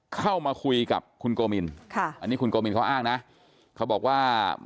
เข้ามาคุยกับคุณโกมินค่ะอันนี้คุณโกมินเขาอ้างนะเขาบอกว่า